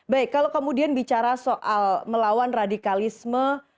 baik kalau kemudian bicara soal melawan radikalisme